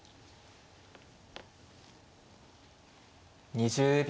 ２０秒。